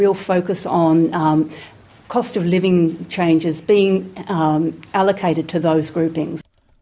pada perubahan kualitas kehidupan yang diberikan kepada kelompok kelompok